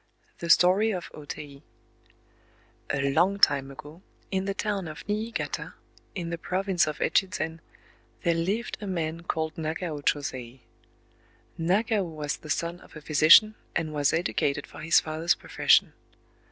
THE STORY OF O TEI A long time ago, in the town of Niigata, in the province of Echizen, there lived a man called Nagao Chōsei. Nagao was the son of a physician, and was educated for his father's profession.